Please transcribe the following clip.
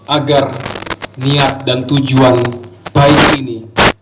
agar niat dan tujuan baik ini